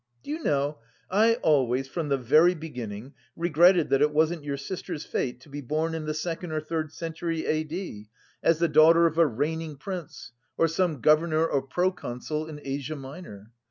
Do you know, I always, from the very beginning, regretted that it wasn't your sister's fate to be born in the second or third century A.D., as the daughter of a reigning prince or some governor or pro consul in Asia Minor.